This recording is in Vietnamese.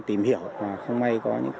tìm hiểu không may có